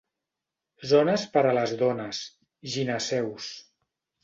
Zones per a les dones, gineceus.